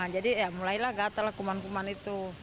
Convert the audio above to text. jadi ya mulailah gatal kuman kuman itu